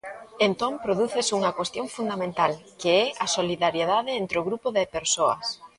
Entón prodúcese unha cuestión fundamental, que é a solidariedade entre o grupo de persoas.